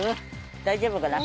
大丈夫かな？